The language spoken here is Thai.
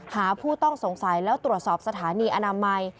ผู้ต้องสงสัยแล้วตรวจสอบสถานีอนามัย